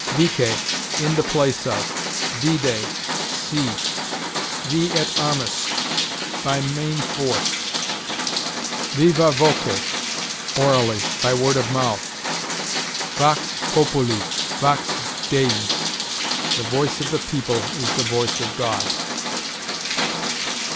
Vice: in the place of. Vide: see. Vi et armis: by main force. Viva voce: orally; by word of mouth. Vox populi, vox Dei: the voice of the people is the voice of God.